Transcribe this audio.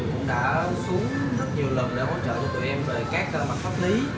cũng đã xuống rất nhiều lần để hỗ trợ cho tụi em về các mặt pháp lý